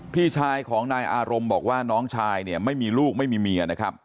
พี่ชายของนายอารมณ์บอกว่าน้องชายเนี่ยไม่มีลูกไม่มีเมียนะครับ